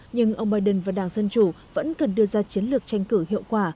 nhưng ông biden và đảng dân chủ vẫn cần đưa ra chiến lược tranh cử hiệu quả